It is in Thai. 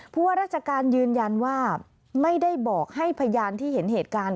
ว่าราชการยืนยันว่าไม่ได้บอกให้พยานที่เห็นเหตุการณ์